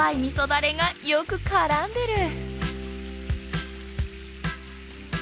だれがよく絡んでる。